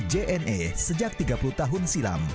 jna juga menerapkan jna sejak tiga puluh tahun silam